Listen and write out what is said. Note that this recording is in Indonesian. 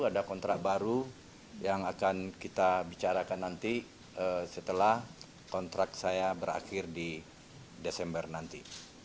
ada kontrak baru yang akan kita bicarakan nanti setelah kontrak saya berakhir di desember nanti